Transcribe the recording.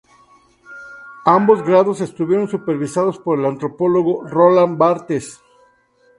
Ambos grados estuvieron supervisados por el antropólogo Roland Barthes.